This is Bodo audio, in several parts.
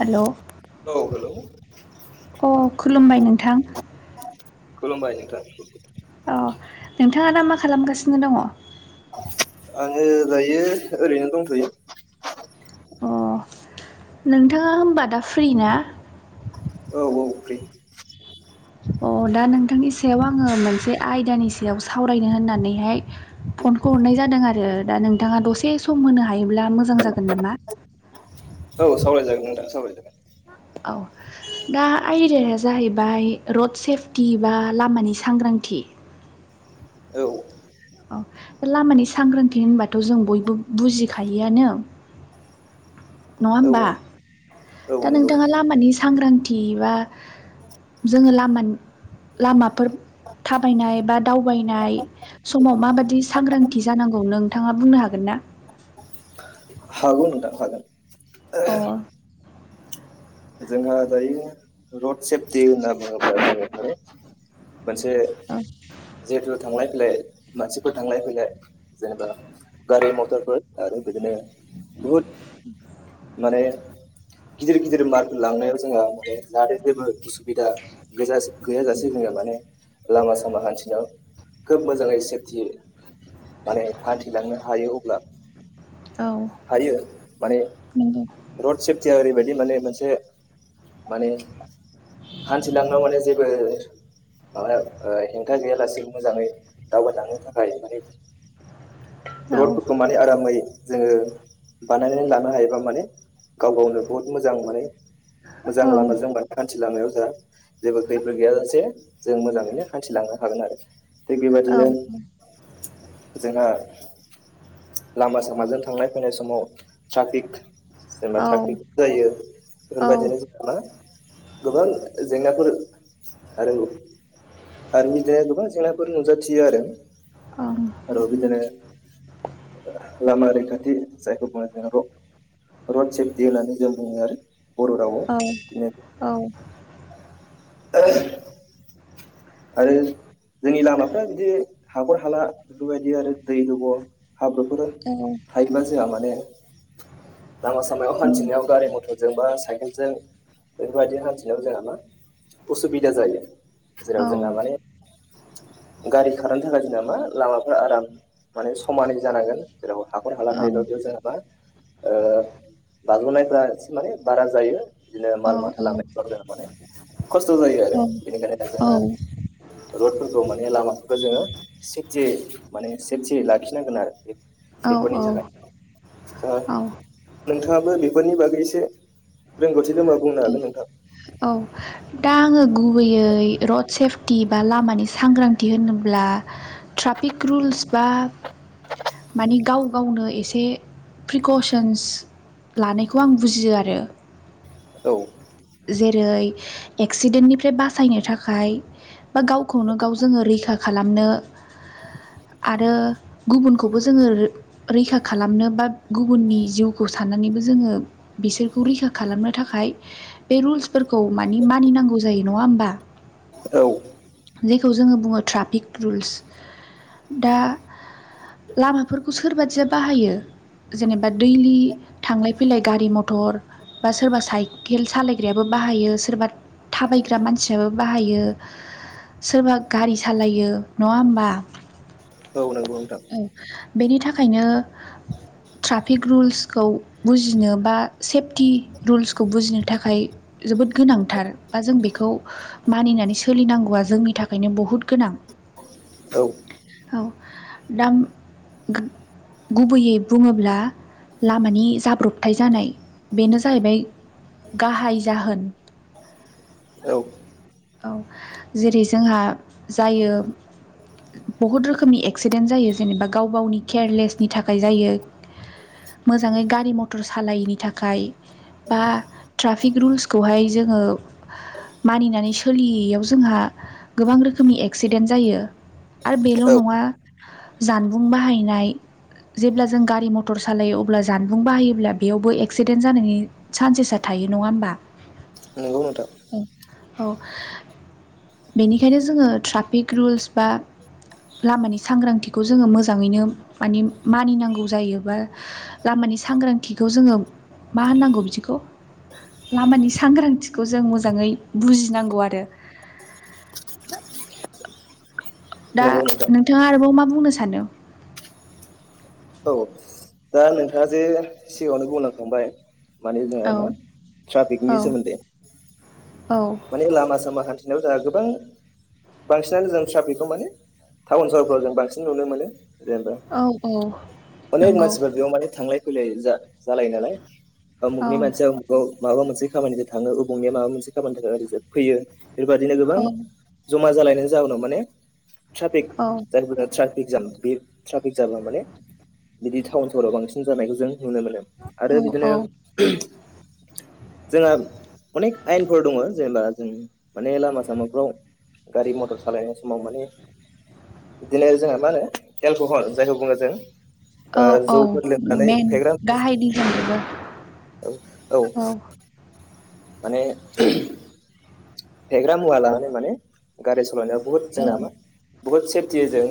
हेल' औ हेल' खुलुमबाय नोंथां खलुमबायाय नोंथां औ नोंथाङा दा मा खालामगासिनो दङ आङो दायो ओरैनो दंथ'यो अ नोंथाङा होमबा दा फ्रि ना औ औ फ्रि अ दा नोंथांनि सायाव आङो मोनसे आयदानि सायाव सावरायनो होननानैहाय फनखौ हरनाय जादों आरो दा नोंथाङा दसे सम होनो हायोब्ला मोजां जागोन नामा औ सावराय जागोन नोंथां सावराय जागोन औ दा आयदाया जाहैबाय रड सेफटि बा लामानि सांग्रांथि [inaudible] औ औ लामानि सांग्रांथि होनबाथ' जों बयबो बुजिखायोआनो नङा औ होमबा औ दा औ नंगौ नोंथाङा लामानि सांग्रांथि बा जोङो लामोन लामाफोर थाबायनाय बा दावबायनाय समाव माबादि सांग्रांथि जानांगौ नोंथाङा बुंनो हागोन ना? हागौ नोंथां हागोन अ ओ दायो रड सेफटि होनना बुङोब्ला जोङो फ्राय मोनसे जिहेथु थांलाय फैलाय मानसिफोर थांलाय फैलाय जेनेबा गारि मटरफोर आरो बिदिनो बुहुद माने गिदिर गिदिर मालफोर लांनायाव जोंहा माने जाहाथे जेबो उसुबिदा गोजा गैयाजासे जोङो माने लामा सामा हान्थिनायाव खोब मोजाङै सेफटि माने हान्थिलांनो हायो अब्ला औ हायो माने नंगौ रड सेफटिया ओरैबायदि माने मोनसे माने हान्थिलांनायाव माने जेबो माबा ओ हेंथा गैयालासे मोजाङै दावबायलांनो थाखाय माने औ र'डफोरखौ मानि आरामै जोङो बानायनानै लानो हायोबा माने गाव गावनो बहुद मोजां माने मोजां औ लामाजों बा हान्थि लांनायाव जेबो खैफोद गैयााजासे जों मोजाङैनो हान्थिलांनो हागोन आरो। थिग बेबायदिनो औ जोंहा लामा सामाजों थांनाय फैनाय समाव ट्राफिक जेनेबा औ ट्राफिक जायो बेफोरबायदिनो [unintelligible] गोबां जेंनाफोर आरो आरो बिदिनो गोबां जेंनाफोर नुजाथियो आरो ओं आरो बिदिनो लामा रैखाथि जायखौ बुङो रड रड सेफटि होननानै जों बुङो आरो बर' रावाव औ बिदिनो औ [inaudible] आरो जोंनि लामाफ्रा बिदि हाखर हाला बेफोरबायदि आरो दै जब' हाब्रुफोर थायोब्ला जोंहा माने लामा सामायाव उम हान्थिनायाव गारि मथर जोंबा सायकेलजों बेफोरबायदि हान्थिनायाव जोंहा मा उसुबिदा जायो जेराव औ जोंहा माने [inaudible] गारि खारनो थाखाय जोंना मा लामाफ्रा आराम माने समानै जानांगोन जेराव हाखर हाला औ थायोब्ला बेयाव जेनबा ओ बाज्ल'नायफोरा एसे माने बारा जायो बिदिनो औ माल माथा लांनायफ्राव जोंहा माने खस्थ' जायो आरो बेनिखायनो ओ रडफोरखौ माने लामा खौ जोङो सेफटियै माने सेफटि लाखिनांगोन आरो औ बेफोरनि थाखाय औ नोंथाङाबो बेफोरनि बागै एसे रोंगौथि दंबा बुंनो हागोन नोंथां औ दा आङो गुबैयै रड सेफटि बा लामानि सांग्रांथि होनोब्ला ट्राफिक रुलस बा मानि गाव गावनो एसे प्रिकसन्स लानायखौ आं बुजियो आरो औ। जेरै एक्सिडेन्टनिफ्राय बासायनो थाखाय बा गावखौनो गाव जोङो रैखा खालामनो। आरो गुबुनखौबो जोङो रैखा खालामनो बा गुबुननि जिउखौ साननानैबो‌ जोङो बिसोरखौ रैखा खालामनो थाखाय बे रुल्सफोरखौ मानि मानिनांगौ जायो नङा होमबा औ जेखौ जोङो बुङो ट्राफिक रुल्स दा लामाफोरखौ सोरबादिया बाहायो जेनेबा दैलि थांलाय फैलाय गारि मथर बा सोरबा साइकेल सालाय ग्रायाबो बाहायो सोरबा थाबायग्रा मानसियाबो बाहायो सोरबा गारि सालायो नङा होमबा औ नंगौ नोंथां औ बेनि थाखायनो ट्राफिक रुल्सखौ बुजिनो बा सेफटि रुल्सखौ बुजिनो थाखाय जोबोद गोनांथार बा जों बेखौ मानिनानै सोलिनांगौआ जोंनि थाखायनो बहुत गोनां औ औ दाम गुबैयै बुङोब्ला लामानि जाब्रथाय जानाय बेनो जाहैबाय गाहाय जाहोन औ औ जेरै जोंहा जायो बहुद रोखोमनि एक्सिडेन्ट जायो जेनेबा गाव गावनि केयारलेसनि थाखाय जायो मोजाङै गारि मथर सालायैनि थाखाय बा ट्रा फिक रुल्सखौहाय जोङो मानिनानै सोलियैयाव जोंहा गोबां रोखोमनि एक्सिडेन्ट जायो आरो बेल' औ नङा जानबुं बाहायनाय जेब्ला जों गारि मटर सालायो अब्ला जानबुं बाहायोब्ला बेयावबो एक्सिडेन्ट जानायनि चान्सेसा थायो नङा होमबा नगौ नोंथां औ औ बेनिखायनो जोङो ट्राफिक रुल्स बा लामानि सांग्रांथिखौ जोङो मोजाङैनो माने मानिनांगौ जायोबा लामा नि सांग्रां जोङो माांगौ बिदिखौ लामानि सांग्रांथिखौ जों मोजाङै बुजिनांगौ आरो [inaudible] दा नंगौ नोंथां नोंथाङा आरोबाव मा बुंनो सानो औ [inaudible] दा नोंथाङा जे सिगांङावनो बुंलांखाबाय माने जोंहा औ मा ट्राफिकनि औ सोमोन्दै औ माने लामा सामा हान्थि नायाव जोंहा गोबां बांसिनानो जों ट्राफिकखौ माने टाउन सहरफ्राव जों बांसिन नुनो मोनो। जेनेबा औ औ अनेक नंगौ। मानसिफोर बेयाव थांलाय फैलाय जालायो नालाय औ उमुगनि मानसिया उमुगाव माबा मोनसे खामानिजों थाङो अबंनिया माबा मोनसे खामानिओ फैयो बेफोरबायदिनो गोबां औ मा थालायनायनि जाउनाव माने औ ट्राफिक ट्राफिक जाम बे ट्राफिक जामा माने बिदि टाउन सहराव बांसिन जानायखौ जों नुनो मोनो आरो औ बिदिनो [inaudible] जोंहा अनेख आयेनफोर दङ जेनेबा जों माने लामा सामाफ्राव गारि मथर सालायनाय समाव माने बिदिनो जोंना मा होनो एलखहल जायखौ बुङो जों औ ओ औ जौफोर लोंनानै मेन फेग्रा गाहाय दिजोन बेबो औ औ माने फेग्रा मुवा लानानै माने गारि सालायनायाव बुहुद औ जोंना मा बुहुत सेफटि जों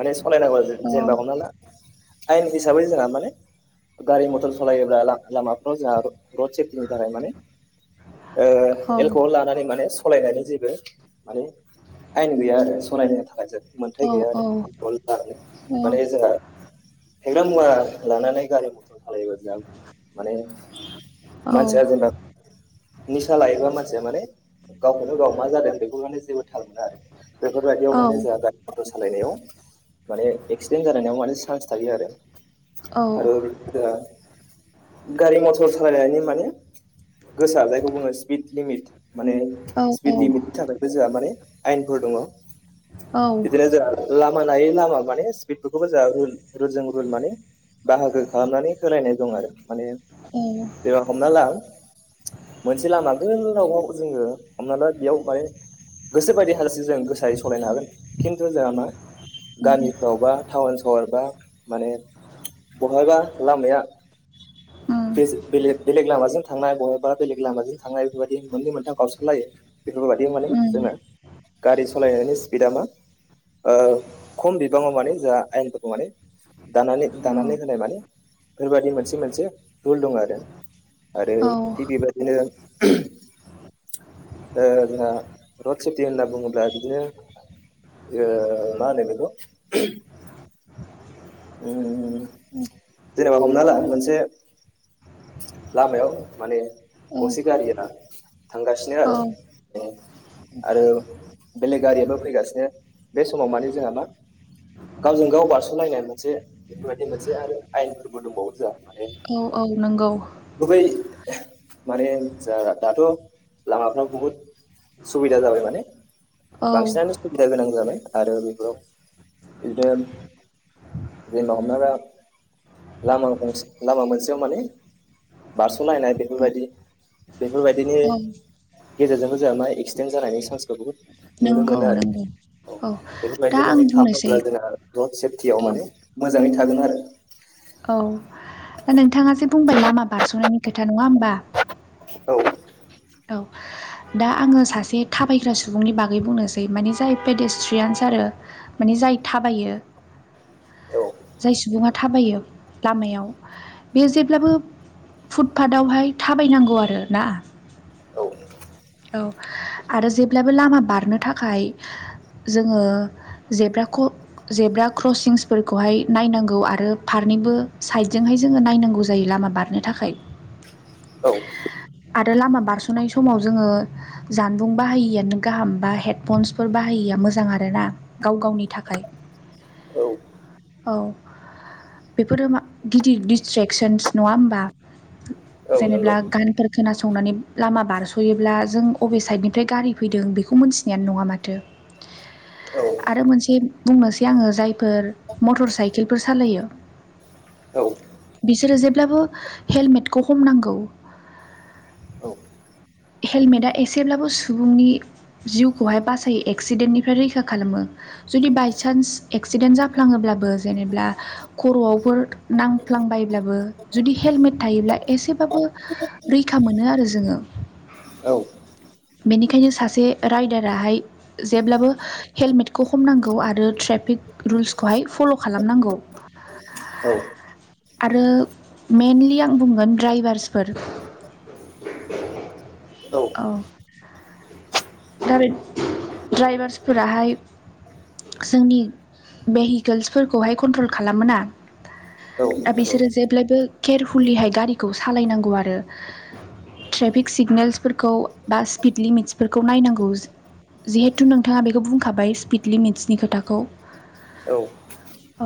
माने सलायनांगौ आरो जों औ जेनेबा हमनाला आयेन हिसाबै जोंहा माने गारि मथर सालायोब्ला ला-लामाफ्राव जोंहा रड सेफटिनि थाखाय माने ओ औ एलक लानानै माने सालायनानै जेबो माने आयेन गैया आरो सलायनो थाखाय जों मोनथाय औ गैया आरो औ एलकहल लानानै माने जोंहा [inaudible] फेग्रा मुवा लानानै गारि मथर' सालायोब्ला जोंहा माने औ मानसिया जेनेबा निसा लायोबा मा सिया माने गावखौनो गाव मा जादों बेखौ माने जेबो थाल मोना आरो। बेफोरबायदियाव औ माने जोंहा [unintelligible] सालायनायाव माने एक्सिडेन्ट जानायाव माने सिन्स थायो आरो। औ आरो बि [unintelligible] गारि मथर सालायनायनि माने गोसा जायखौ बुङो स्पिड लिमिट माने औ स्पिड लिमिटनि थाखायबो जोंहा माने आयेनफोर दङ। औ औ इदिनो जोंहा लामा लायै लामा माने स्पिडफोरखौबो जोंहा रुलजों रुल माने बाहागो खालामनानै होलायनाय दं आरो। माने उम जेनेबा हमना ला मोनसे लामा गोललावाव जोङो हमना ला बेयाव माने गोसो बायदि हाजासे जों गोसायै सालायनो हागोन खिन्थु जोंहा मा गामिफ्रावबा टाउन सहर बा माने बहायाबा लामाया उम ऐसे बेलेग बेलेग लामाजों थ थांनाय बबेबा बेलेग लामाजों थांनाय बेफोरबायदि मोननै मोनथाम गावस्रलायो बेफोरबायादि माने उम जोंङो गारि सालायनायनि स्पिडा मा ओ खम बिबाङाव माने जोंहा आयेनफोरखौ माने दानानै औ दानानै होनाय माने बेफोरबायाददि मोनसे मोनसे रुल दं आरो। आरो थिख बि बेबायदिनो [inaudible] ओ जोंहा रट सेपथि होनना बुंङोब्ला बिदिनो ओ मा होनो बेखौ उम्म जेनेबा हमनाला मोनसे लामायाव माने गंसे गारि ला थांगासिनो औ आरो आरो बेलेग गारियाबो फैगासिनो बे समाव माने जोंहा मा गावजों गाव बारस'लायनाय मोनसे बेफोरबायदि मोनसे आरो आयेनफोरबो दंबावो जोंहा। माने औ औ नंगौ। गुबै माने जा दाथ' लामाफ्राव बुहुद सुबिदा जाबाय माने औ औ, बांसिनानो सुबिदा गोनां जाबाय आरो बेफोराव बिदिनो रेल हमनायबा लामा गंसे लामा मोनसेयाव माने बारस'लायनाय बेफोरबायदि बेफोरबायदिनि गेजेरजोंबो जोंहा ना एक्सिडेन्ट जानायनि चान्सखौ बुहुत नुनो नंगौ मोनो आरो नंगौ औ दा बेफोरबायदि आं माने खालाम बुंनोसै अब्ला जोंना रड सेफटियाव औ माने मोजाङै थागोन आरो। औ दा नोंथाङा जे बुंबाय लामा बारस'नायनि खोथा नङा होमबा? औ। औ दा आंङो सासे थाबायग्रा सुबुंनि बागै बुंनोसै माने जाय पेडेस्ट्रियन आरो माने जाय थाबायो। औ जाय सुबुङा थाबायो लामायाव बेयो जेब्लाबो फुटपाथावहाय थाबायनांगौ आरो ना औ आरो जेब्लाबो लामा बारनो थाखाय जोङो जेब्रा क्र जेब्रा क्रसिंस फोरखौहाय नायनांगौ आरो फारनैबो साइदजोंहाय जोङो नायनांगौ जायो लामा बारनो थाखाय औ आरो लामा बारस'नाय समाव जोङो जानबुं बाहायैआनो गाहाम बा हेडफनसफोर बाहायिया मोजां आरोना गावनि गावनि थाखाय औ औ बेफोरो मा गिदिर डिसट्रेकसन्स नङा होमबा? औ नंगौ जेनेबा गानफोर खोनासंनानै लामा बारस स'योब्ला जों अबे साइडनिफ्राय गारि फैदों बेखौ मिथिनायानो नङा माथो औ आरो मोनसे बुंनोसै आङो जायफोर मटर साइकेलफोर सालायो औ बिसोरो जेब्लाबो हेलमेटखौ हमनांगौ। [inaudible] औ हेलमेटआ एसेब्लाबो सुबुंनि जिउखौहाय बासायो एक्सिडेन्टनिफ्राय रैखा खालामो। जुदि बायसान्स एक्सिडेन्ट जाफ्लाङोब्लाबो जेनेब्ला खर'आवबो नांफ्ला लांबायब्लाबो जुदि हेलमेट थायोब्ला एसेबाबो रैखा मोनो आरो जोङो। औ बेनिखायनो सासे राइडाराहाय जेब्लाबो हेलमेटखौ हमनांगौ आरो। ट्रेफिक रुल्सखौहाय फल' खालामनांगौ। [inaudible] आरो मइेनलि आं बुंगोन ड्राइबार्सफोर। [inaudible] औ गारि द्राइबार्स फोराहाय। जोंनि भेहिकोल्सफोरखौहाय कन्ट्रल खालामोना। औ दा नंगौ बिसोरो जेब्लायबो केरफुलिहाय गारिखौ सालायनांगौ आरो। ट्रेफिक सिगनेल्सफोरखौ बा स्पिड लिमिट्सफोरखौ नायनांगौ। जिहेथु नोंथाङा बेखौ बुंखाबाय स्पिड लिमिट्सनि खोथाखौ। औ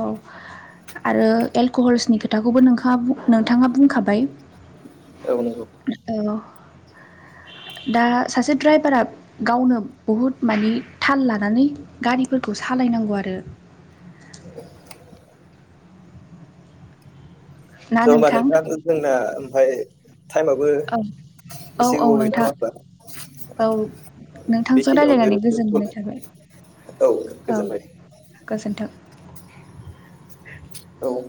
औ। आरो एलक'हल्सनि खोथाखौबो नोंखाङा बुं नोंथाङा बुंखाबाय। औ नंगौ। औ दा सासे द्राइबारा गावनो बुहुद मानि थाल लानानै गारिफोरखौ सालायनांगौ आरो। [inaudible] [inaudible] ना [unintelligible] नोंथां ओमफ्राय टाइम आबो औ औ एसे औ नोंथां गोबाव औ गैला [unintelligible] नोंथांजों बेखिनियावनो रायलायनानै गोजोननाय दोनथबाय। थाबाय औ गोजोनबाय। गोजोन्थों। औ